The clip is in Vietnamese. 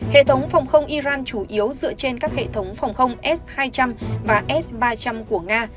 hệ thống phòng không iran chủ yếu dựa trên các hệ thống phòng không s hai trăm linh và s ba trăm linh của nga